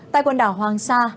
tại quần đảo hoàng sa